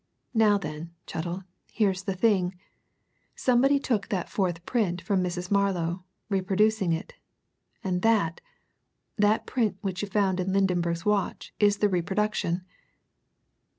Now then, Chettle, here's the thing somebody took that fourth print from Mrs. Marlow, reproduced it and that that print which you found in Lydenberg's watch is the reproduction!"